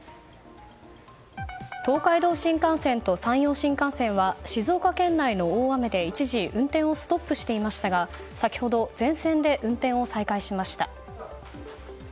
東海道新幹線と山陽新幹線は静岡県内の大雨で、一時運転をストップしていましたが先ほど、全線で運転を再開しました。